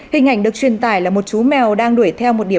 hình ảnh được truyền tải là một chú mèo đang đuổi theo một đoạn video